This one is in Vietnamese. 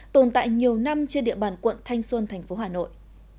tồn tại nhiều năm trên địa bàn quận thanh xuân tp hà nội